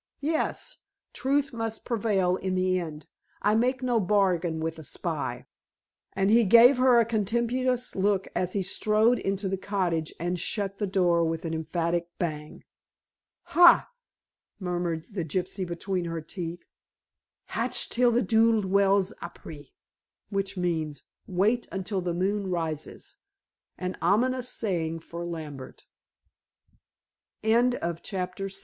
"Yes; truth must prevail in the end. I make no bargain with a spy," and he gave her a contemptuous look, as he strode into the cottage and shut the door with an emphatic bang. "Hai!" muttered the gypsy between her teeth. "Hatch till the dood wells apré," which means: "Wait until the moon rises!" an ominous saying for Lambert. CHAPTER VII. THE SECRETARY.